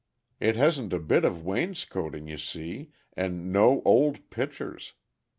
It hasn't a bit of wainscoting, you see, and no old pictures.